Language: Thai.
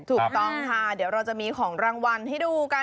ถูกต้องค่ะเดี๋ยวเราจะมีของรางวัลให้ดูกัน